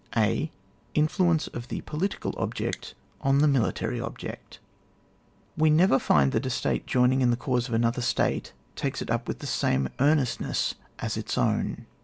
^.—INFLUENCE OF THE POLITICAL OBJECT ON THE MIUTABY OBJECT. We never find that a State joining in the cause of another State, takes it up with the same earnestness as its own.